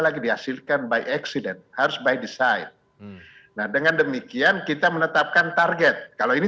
lagi dihasilkan by accident harus by design nah dengan demikian kita menetapkan target kalau ini